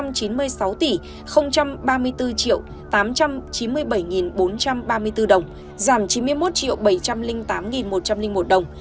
giá trúng thầu là bốn trăm chín mươi bảy bốn trăm ba mươi bốn đồng giảm chín mươi một bảy trăm linh tám một trăm linh một đồng